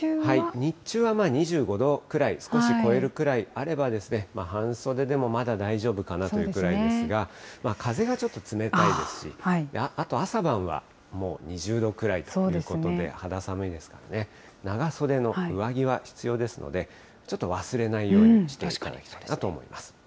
日中は２５度くらい、少し超えるくらいあれば、半袖でもまだ大丈夫かなというくらいですが、風がちょっと冷たいですし、あと朝晩はもう２０度くらいということで、肌寒いですからね、長袖の上着は必要ですので、ちょっと忘れないようにしていただきたいなと思います。